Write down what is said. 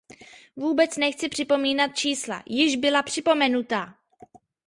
Vůbec nechci připomínat čísla; již byla připomenuta.